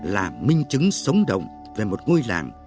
là minh chứng sống đồng về một ngôi làng